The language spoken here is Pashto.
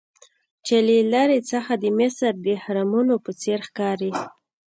چې له لرې څخه د مصر د اهرامونو په څیر ښکاري.